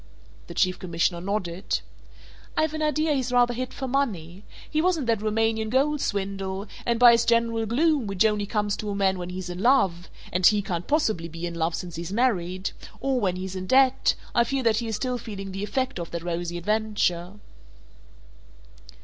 The Chief Commissioner nodded. "I've an idea he's rather hit for money. He was in that Roumanian gold swindle, and by his general gloom, which only comes to a man when he's in love (and he can't possibly be in love since he's married) or when he's in debt, I fear that he is still feeling the effect of that rosy adventure."